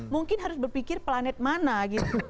mungkin harus berpikir planet mana gitu